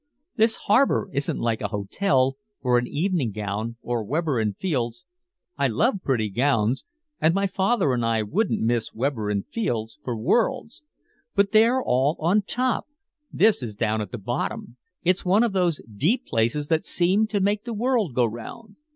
This harbor isn't like a hotel, or an evening gown or Weber and Fields. I love pretty gowns, and my father and I wouldn't miss Weber and Fields for worlds. But they're all on top, this is down at the bottom, it's one of those deep places that seem to make the world go 'round.